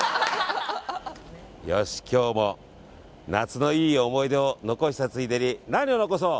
よし、今日も夏のいい思い出を残したついでに何を残そう？